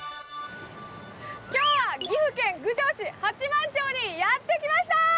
今日は岐阜県郡上市八幡町にやって来ました。